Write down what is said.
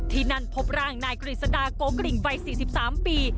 ที่นั่นพบร่างนายกฤษดาโกกริ่งวัย๔๓ปี